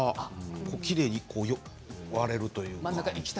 きれいに割れるというか。